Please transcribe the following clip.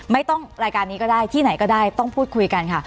รายการนี้ก็ได้ที่ไหนก็ได้ต้องพูดคุยกันค่ะ